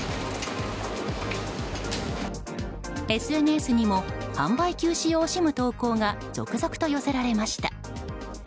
ＳＮＳにも販売休止を惜しむ投稿が続々と寄せられました。